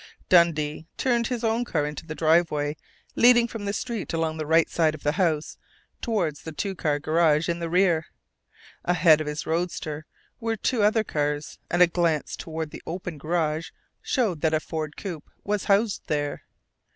Dundee turned his own car into the driveway leading from the street along the right side of the house toward the two car garage in the rear. Ahead of his roadster were two other cars, and a glance toward the open garage showed that a Ford coupe was housed there.